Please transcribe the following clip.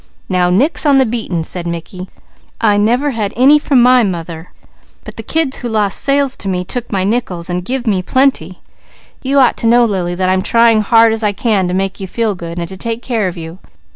"Now nix on the beating," said Mickey. "I never had any from my mother; but the kids who lost sales to me took my nickels, and give me plenty. You ought to know, Lily, that I'm trying hard as I can to make you feel good; and to take care of you.